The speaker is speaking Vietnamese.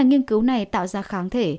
nghiên cứu này tạo ra kháng thể